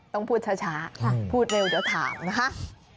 ต้องพูดช้าพูดเร็วเดี๋ยวถามนะคะ